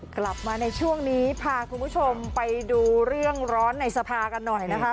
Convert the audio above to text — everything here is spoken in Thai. กลับมาในช่วงนี้พาคุณผู้ชมไปดูเรื่องร้อนในสภากันหน่อยนะคะ